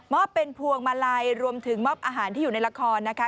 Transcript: อบเป็นพวงมาลัยรวมถึงมอบอาหารที่อยู่ในละครนะคะ